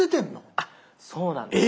あっそうなんです。